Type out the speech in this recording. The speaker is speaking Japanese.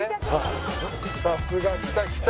さすが来た来た！